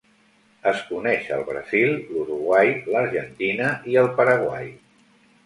Es coneix al Brasil, l'Uruguai, l'Argentina i el Paraguai.